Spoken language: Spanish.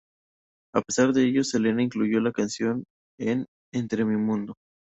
A pesar de ello, Selena incluyó la canción en "Entre a mi mundo".